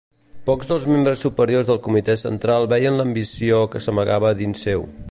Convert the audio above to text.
Pocs dels membres superiors del Comitè Central veien l'ambició que s'amagava dins seu.